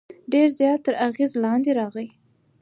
ډېر زیات تر اغېز لاندې راغی.